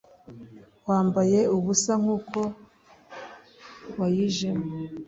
wambaye ubusa nkuko wayijemo